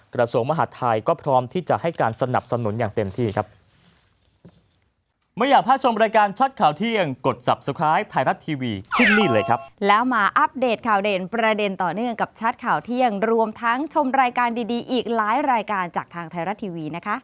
กระทรวงมหาดไทยก็พร้อมที่จะให้การสนับสนุนอย่างเต็มที่ครับ